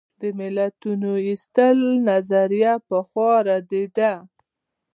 د ملتونو وېستلو نظریه پخوا ردېده.